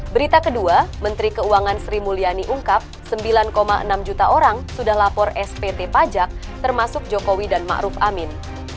berita kedua menteri keuangan sri mulyani ungkap sembilan enam juta orang sudah lapor spt pajak termasuk jokowi dan ⁇ maruf ⁇ amin